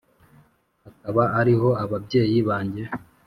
Akaba ari ho ababyeyi banjye